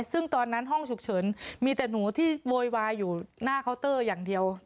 ซึ่งตอนนั้นห้องฉุกเฉินมีแต่หนูที่โวยวายอยู่หน้าเคาน์เตอร์อย่างเดียว